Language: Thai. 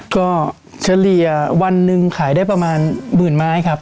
ก็เฉลี่ยวันหนึ่งขายได้ประมาณหมื่นไม้ครับ